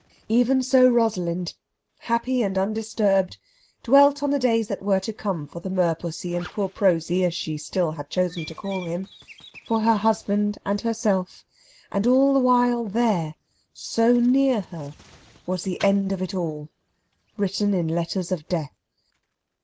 Even so Rosalind, happy and undisturbed, dwelt on the days that were to come for the merpussy and poor Prosy, as she still had chosen to call him, for her husband and herself; and all the while there, so near her, was the end of it all, written in letters of death.